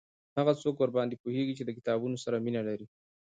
هغه څوک ورباندي پوهیږي چې د کتابونو سره مینه لري